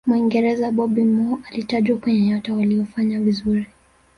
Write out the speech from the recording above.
muingereza bobby moore alitajwa kwenye nyota waliyofanya vizuri